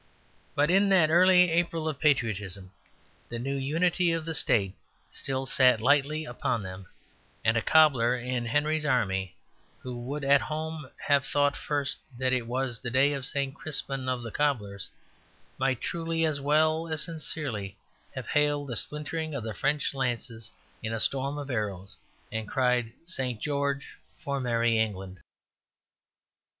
But in that early April of patriotism the new unity of the State still sat lightly upon them; and a cobbler in Henry's army, who would at home have thought first that it was the day of St. Crispin of the Cobblers, might truly as well as sincerely have hailed the splintering of the French lances in a storm of arrows, and cried, "St. George for Merry England."